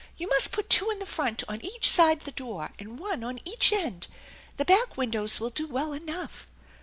You must put two in the front on each side the door, and one on each end. The back windows will do well enough."